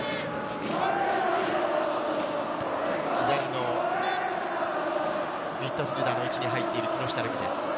左のミッドフィルダーの位置に入っている木下瑠己です。